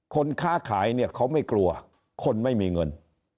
ค้าขายเนี่ยเขาไม่กลัวคนไม่มีเงิน